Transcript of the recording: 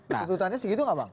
ketutupannya segitu nggak bang